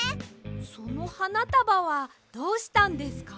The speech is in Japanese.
そのはなたばはどうしたんですか？